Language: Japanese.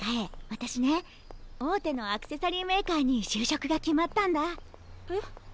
私ね大手のアクセサリーメーカーに就職が決まったんだ。え？